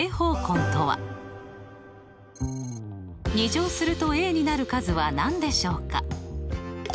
２乗するとになる数は何でしょうか？